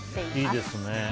いいですね。